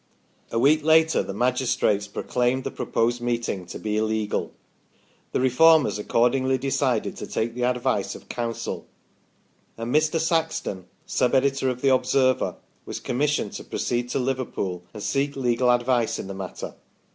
A week later the magistrates proclaimed the proposed meeting to be illegal. The Reformers accordingly decided to take the advice of counsel, and Mr. Saxton, sub editor of the " Observer," was commis sioned to proceed to Liverpool and seek legal advice in the matter.